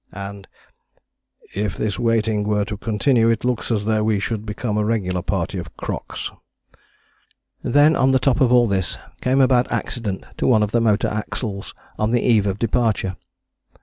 " And "if this waiting were to continue it looks as though we should become a regular party of 'crocks.'" Then on the top of all this came a bad accident to one of the motor axles on the eve of departure.